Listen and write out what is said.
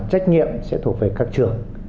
trách nhiệm sẽ thuộc về các trường